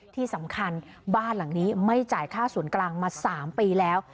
ที่สำคัญบ้านหลังนี้ไม่จ่ายค่าศูนย์กลางมา๓ปีแล้ว